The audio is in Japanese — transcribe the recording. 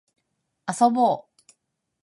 遊ぼう